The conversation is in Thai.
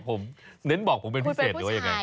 ทำไมจะต้องบอกผมเด้นว่าเป็นผู้ชายหรออย่างนี้